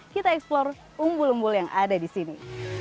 kita eksplor umbul umbul yang ada di sini